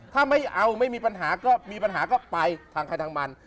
ถ้าไม่เอาไม่มีปัญหาก็มีปัญหาก็ไปทางใครทางมัน